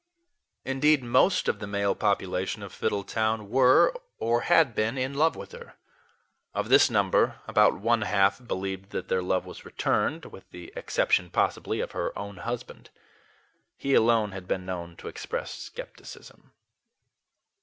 Indeed, most of the male population of Fiddletown were or had been in love with her. Of this number, about one half believed that their love was returned, with the exception, possibly, of her own husband. He alone had been known to express skepticism.